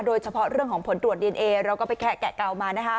โดยเฉพาะเรื่องของผลตรวจดีเอนเอเราก็ไปแกะเก่ามานะคะ